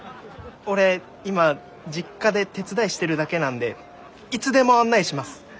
俺今実家で手伝いしてるだけなんでいつでも案内します。